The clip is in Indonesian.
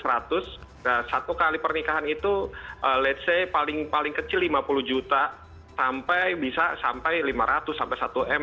satu kali pernikahan itu ⁇ lets ⁇ say paling kecil lima puluh juta sampai bisa sampai lima ratus sampai satu m